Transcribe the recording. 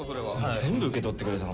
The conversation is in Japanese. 全部受け取ってくれたので。